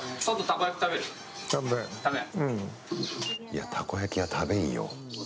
いや、たこ焼きは食べんよ。